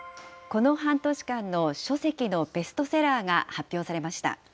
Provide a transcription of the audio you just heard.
この半年間の書籍のベストセラーが発表されました。